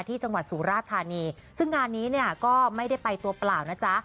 จังหวัดสุราธานีซึ่งงานนี้เนี่ยก็ไม่ได้ไปตัวเปล่านะจ๊ะ